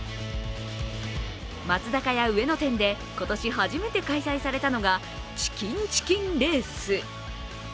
松坂屋上野店で今年初めて開催されたのがチキンチキンレース。